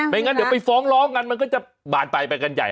งั้นเดี๋ยวไปฟ้องร้องกันมันก็จะบานไปไปกันใหญ่